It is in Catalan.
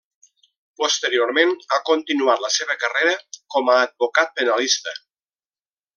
Posteriorment ha continuat la seva carrera com a advocat penalista.